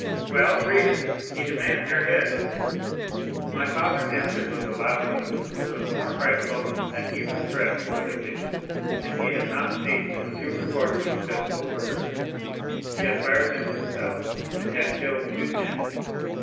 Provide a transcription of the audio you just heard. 'Well, read it; he demands your head.' 40078m "My father answered with a loud laugh, which was more frightful than even threats would have been, and he had not ceased when two reports of a pistol were heard; he had fired them himself, and had killed two men.